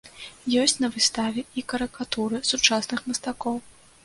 Ёсць на выставе і карыкатуры сучасных мастакоў.